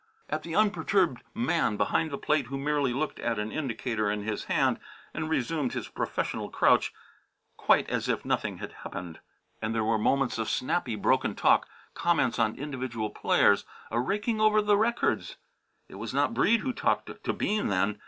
_" at the unperturbed man behind the plate who merely looked at an indicator in his hand and resumed his professional crouch quite as if nothing had happened. And there were moments of snappy, broken talk, comments on individual players, a raking over the records. It was not Breede who talked to Bean then.